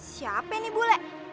siapa ini bule